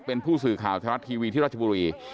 เป็นผู้สื่อข่าวไทยรัฐทีวีที่ราชบุรี